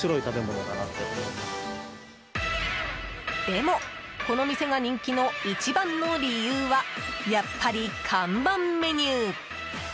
でも、この店が人気の一番の理由はやっぱり看板メニュー。